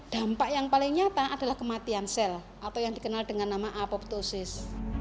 dampak yang paling nyata adalah kematian sel atau yang dikenal dengan nama apoptosis